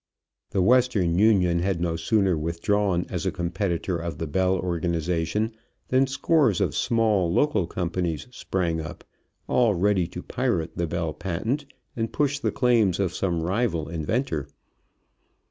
The Western Union had no sooner withdrawn as a competitor of the Bell organization than scores of small, local companies sprang up, all ready to pirate the Bell patent and push the claims of some rival inventor.